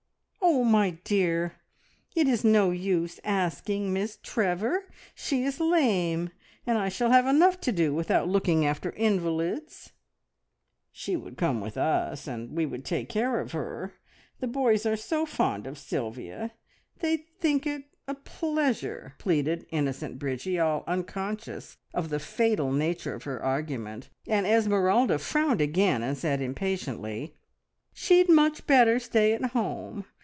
"Oh, my dear, it is no use asking Miss Trevor. She is lame, and I shall have enough to do without looking after invalids." "She would come with us, and we would take care of her. The boys are so fond of Sylvia. They'd think it a pleasure!" pleaded innocent Bridgie, all unconscious of the fatal nature of her argument, and Esmeralda frowned again and said impatiently "She'd much better stay at home.